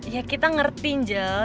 ya kita ngerti angel